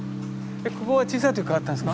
ここは小さい時からあったんですか？